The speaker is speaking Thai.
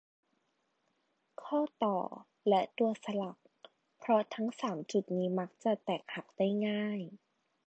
ข้อต่อ และตัวสลัก เพราะทั้ง สาม จุดนี้มักจะแตกหักได้ง่าย